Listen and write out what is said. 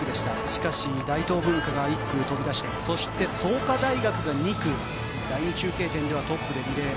しかし、大東文化が１区、飛び出してそして、創価大学が２区第２中継点ではトップでリレー。